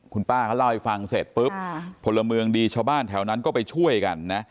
คุณป้าเขาเล่าให้ฟังเสร็จปุ๊บพลเมืองดีชาวบ้านแถวนั้นก็ไปช่วยกันนะ